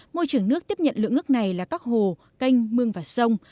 môi trường nước tiếp nhận lượng nước này là các hồ canh mương và sông